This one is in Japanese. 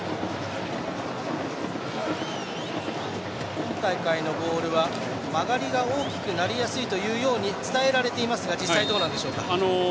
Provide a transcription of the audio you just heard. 今大会のボールは曲がりが大きくなりやすいと伝えられていますが実際はどうなんでしょうか。